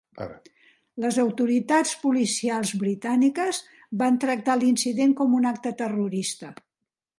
Les autoritats policials britàniques van tractar l'incident com a un acte terrorista.